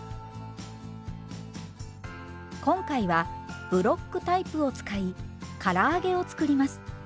今回はブロックタイプを使いから揚げを作ります。